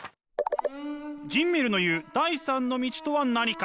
ジンメルの言う第３の道とは何か。